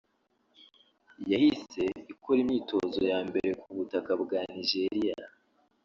yahise ikora imyitozo ya mbere ku butaka bwa Nigeriya